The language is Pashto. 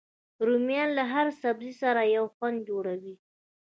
رومیان له هر سبزي سره یو خوند جوړوي